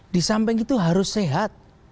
di samping itu harus sehat